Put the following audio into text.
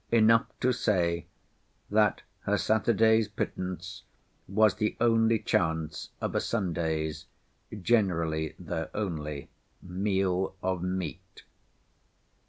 Enough to say, that her Saturday's pittance was the only chance of a Sunday's (generally their only) meal of meat.